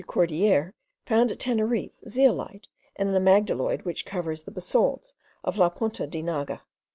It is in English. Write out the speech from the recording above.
Cordier found at Teneriffe xeolite in an amygdaloid which covers the basalts of La Punta di Naga.)